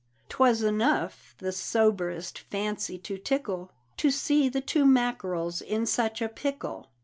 'Twas enough the soberest fancy to tickle To see the two Mackerels in such a pickle!